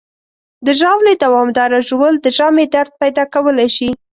د ژاولې دوامداره ژوول د ژامې درد پیدا کولی شي.